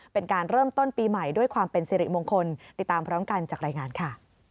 เป็นการเริ่มต้นปีใหม่ด้วยความเป็นสิริมงคลติดตามพร้อมกันจากรายงานค่ะ